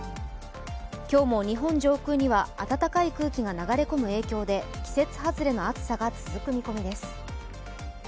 今日も日本上空には暖かい空気が流れ込む影響で季節外れの暑さが続く見込みです。